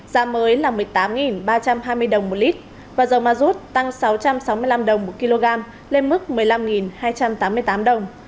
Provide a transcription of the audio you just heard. giá mới là một mươi tám ba trăm hai mươi đồng một lít và dầu ma rút tăng sáu trăm sáu mươi năm đồng một kg lên mức một mươi năm hai trăm tám mươi tám đồng